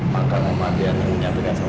maka mama adriana menyampaikan sama papi